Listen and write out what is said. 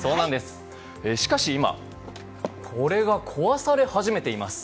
しかし今これが壊され始めています。